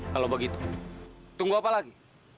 kalau begitu tunggu apa lagi